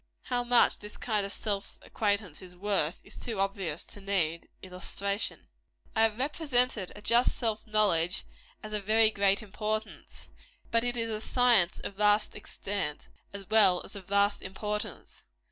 How much this kind of self acquaintance is worth, is too obvious to need illustration. I have represented a just self knowledge as of very great importance; but it is a science of vast extent, as well as of vast importance.